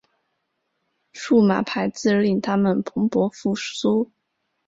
数码排字令它们蓬勃复苏。